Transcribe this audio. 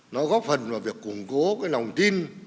nó góp phần vào việc củng cố cái lòng tin